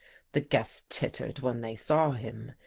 The guests tittered when they saw him.